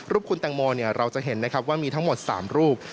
รูปคุณตังโมเราจะเห็นว่ามีทั้งหมด๓รูป